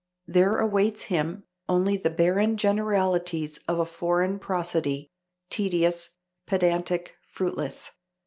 There awaits him only the barren generalities of a foreign prosody, tedious, pedantic, fruitless.